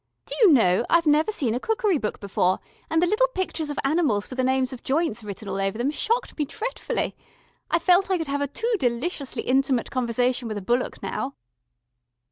Do you know, I've never seen a cookery book before, and the little pictures of animals with the names of joints written all over them shocked me dretfully. I feel I could have a too deliciously intimate conversation with a bullock now."